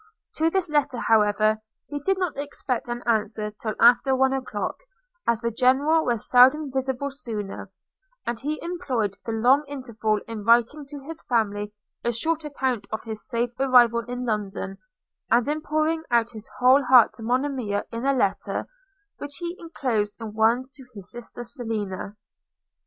To this letter, however, he did not expect an answer till after one o'clock, as the General was seldom visible sooner; and he employed the long interval in writing to his family a short account of his safe arrival in London, and in pouring out his whole heart to Monimia in a letter, which he inclosed in one to his sister Selina.